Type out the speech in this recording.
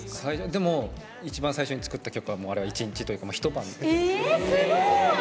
でも一番最初に作った曲は１日というか、一晩。